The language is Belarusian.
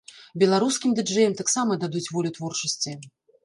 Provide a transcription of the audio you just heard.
Беларускім ды-джэям таксама дадуць волю творчасці.